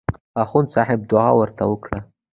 اخندصاحب دعا ورته وکړه.